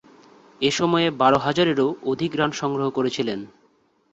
এ সময়ে বারো হাজারেরও অধিক রান সংগ্রহ করেছিলেন।